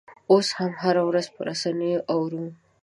اوس هم هره ورځ په رسنیو کې اورو.